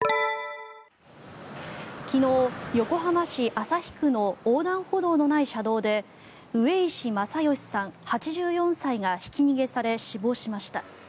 昨日、横浜市旭区の横断歩道のない車道で上石正義さん、８４歳がひき逃げされ、死亡しました。